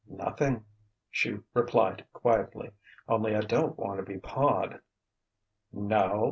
] "Nothing," she replied quietly; "only I don't want to be pawed." "No?"